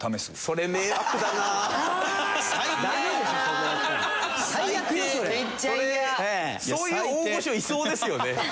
そういう大御所いそうですよね。